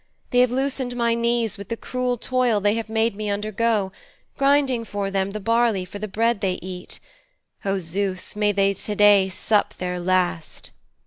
They have loosened my knees with the cruel toil they have made me undergo, grinding for them the barley for the bread they eat. O Zeus, may they to day sup their last!'